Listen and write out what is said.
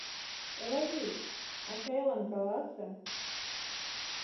Элавий, ачайлан каласе.